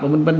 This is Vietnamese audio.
và văn văn